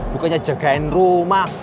bukannya jagain rumah